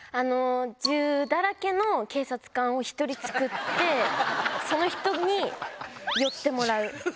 銃だらけの警察官を一人作って、その人に寄ってもらう。